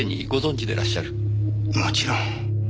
もちろん。